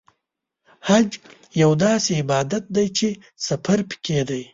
حج یو داسې عبادت دی چې سفر پکې دی.